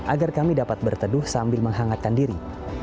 agar kami dapat berteduh sambil menghangatkan diri